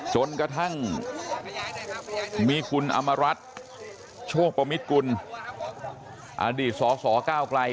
จนกระทั่งมีคุณอำรัฐโชคประมิติคุณอดีตส่อ๙ไกล